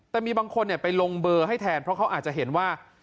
แต่มีบางคนไปลงเบอร์ให้แทนเพราะเขาอาจจะเห็นว่า